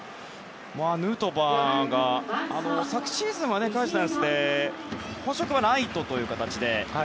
ヌートバーが昨シーズンはカージナルスで本職がライトという形で。